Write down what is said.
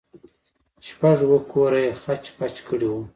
شپږ اوه كوره يې خچ پچ كړي وو.